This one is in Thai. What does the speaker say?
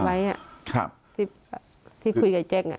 เป็นการไพลมที่คุยกับเจ๊ก